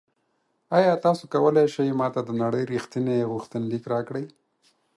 ایا تاسو کولی شئ ما ته د نړۍ ریښتیني غوښتنلیک راکړئ؟